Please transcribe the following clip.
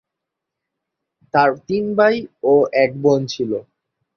তার তিন ভাই ও এক বোন ছিল।